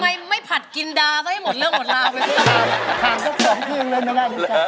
ทำไมไม่ผัดกินดำแล้วให้หมดเรื่องหมดรามาให้มา